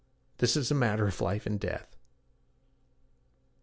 'This is a matter of life and death.'